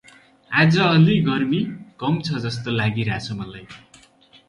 अाज अलि गर्मी कम छ जस्तो लागिराछ मलाई ।